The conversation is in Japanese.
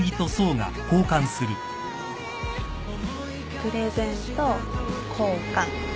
プレゼント交換。